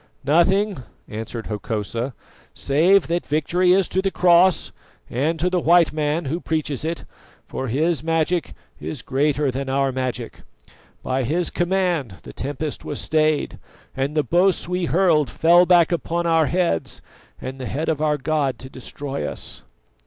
"Nothing," answered Hokosa, "save that victory is to the Cross, and to the white man who preaches it, for his magic is greater than our magic. By his command the tempest was stayed, and the boasts we hurled fell back upon our heads and the head of our god to destroy us."